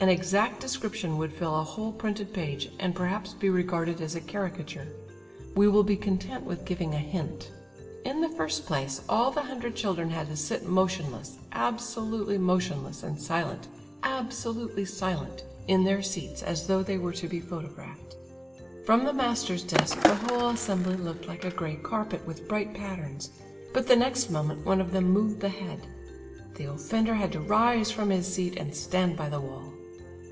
An exact description would fill a whole printed page, and perhaps be regarded as a caricature; we will be content with giving a hint. In the first place, all the hundred children had to sit motionless, absolutely motionless, and silent, absolutely silent, in their seats as though they were to be photographed. From the master's desk the whole assembly looked like a grey carpet with bright patterns, but the next moment one of them moved the head; the offender had to rise from his seat and stand by the wall.